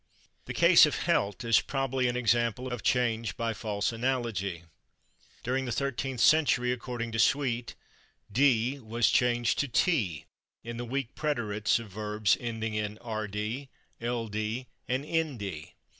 The case of /helt/ is probably an example of change by false analogy. During the thirteenth century, according to Sweet, "/d/ was changed to /t/ in the weak preterites of verbs [ending] in /rd/, /ld/ and /nd